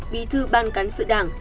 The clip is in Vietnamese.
bí thư ban cán sự đảng